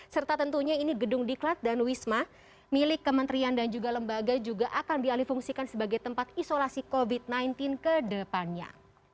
serta tentunya ini gedung diklat dan wisma milik kementerian dan juga lembaga juga akan dialih fungsikan sebagai tempat isolasi covid sembilan belas ke depannya